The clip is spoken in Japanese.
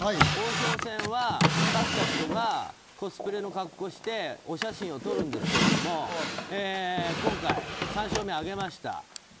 王将戦は勝った人がコスプレの格好をしてお写真を撮るんですけれども今回３勝目を挙げました。